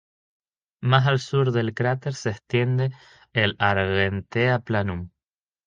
Más al sur del cráter se extiende el Argentea Planum.